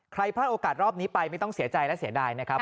พลาดโอกาสรอบนี้ไปไม่ต้องเสียใจและเสียดายนะครับ